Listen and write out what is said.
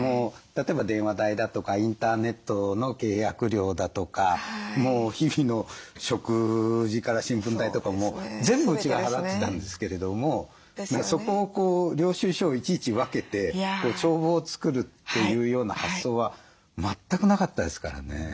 例えば電話代だとかインターネットの契約料だとか日々の食事から新聞代とかも全部うちが払ってたんですけれどもそこをこう領収書をいちいち分けて帳簿を作るっていうような発想は全くなかったですからね。